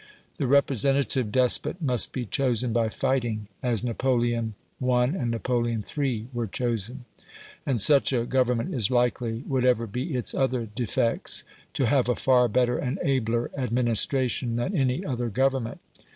The representative despot must be chosen by fighting, as Napoleon I. and Napoleon III. were chosen. And such a Government is likely, whatever be its other defects, to have a far better and abler administration than any other Government.